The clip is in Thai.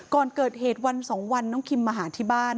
ก่อนเกิดเหตุวัน๒วันน้องคิมมาหาที่บ้าน